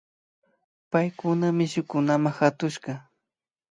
Paykuna mishukunama katushka